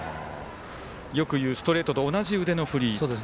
よく言うストレートと同じ腕の振り。